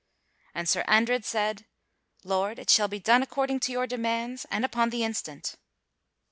And Sir Andred said: "Lord, it shall be done according to your demands and upon the instant."